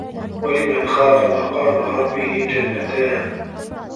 وَلِمَن خافَ مَقامَ رَبِّهِ جَنَّتانِ